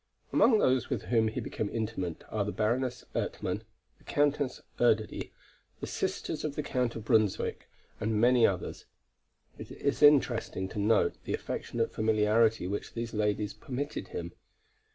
Among those with whom he became intimate are the Baroness Ertmann, the Countess Erdödy, the sisters of the Count of Brunswick and many others. It is interesting to note the affectionate familiarity which these ladies permitted him.